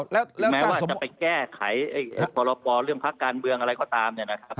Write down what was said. แม้ว่าจะไปแก้ไขปรปรเรื่องภาคการเมืองอะไรก็ตาม